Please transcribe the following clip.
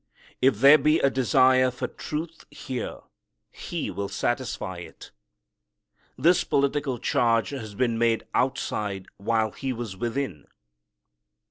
If there be a desire for truth here He will satisfy it. This political charge had been made outside while He was within.